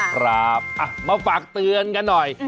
ครับมาฝากเตือนกันหน่อย